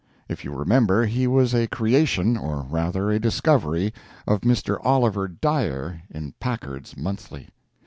If you remember, he was a creation, or rather a discovery, of Mr. Oliver Dyer in Packard's Monthly.